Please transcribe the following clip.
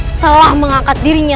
setelah mengangkat dirinya